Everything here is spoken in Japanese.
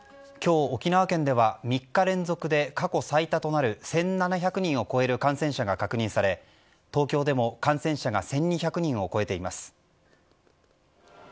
今日、沖縄県では３日連続で過去最多となる１７００人を超える感染者が確認され東京でも感染者が１２００人を超えています。